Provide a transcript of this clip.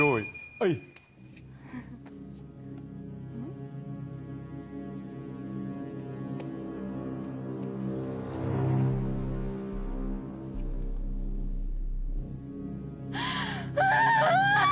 はいああっ！